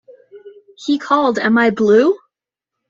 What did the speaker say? He called Am I Blue?